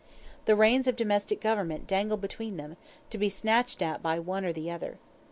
The reins of domestic government dangle between them, to be snatched at by one or the other.